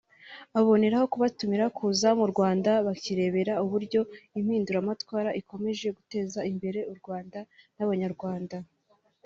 aboneraho kubatumira kuza mu Rwanda bakirebera uburyo impinduramatwara ikomeje guteza imbere u Rwanda n’Abanyarwanda